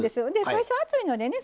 最初熱いのでね